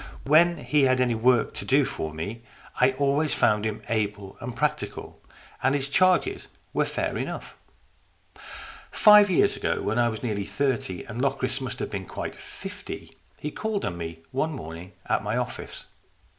When he had any work to do for me, I always found him able and practical, and his charges were fair enough. 196 STORIES IN GREY Five years ago, when I was nearly thirty, and Locris must have been quite fifty, he called on me one morning at my office.